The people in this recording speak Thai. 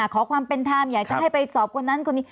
ขอความเป็นธรรมอยากจะให้ไปสอบคนนั้นคนนี้